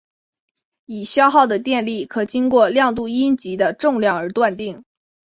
已消耗的电力可经过量度阴极的重量而断定。